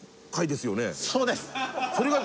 そうです！